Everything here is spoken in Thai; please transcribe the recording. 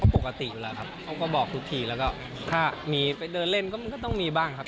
ปกติอยู่แล้วครับเขาก็บอกทุกทีถ้าไปเดินเล่นก็มีบ้างครับ